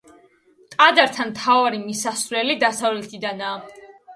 ტაძართან მთავარი მისასვლელი დასავლეთიდანაა.